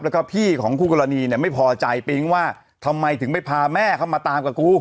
แล้วก็พี่ของคู่กรณีเนี่ยไม่พอใจปิ๊งว่าทำไมถึงไปพาแม่เขามาตามกับกู